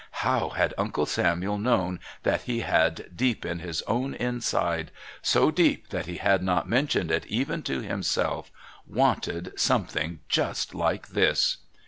How had Uncle Samuel known that he had deep in his own inside, so deep that he had not mentioned it even to himself, wanted something just like this?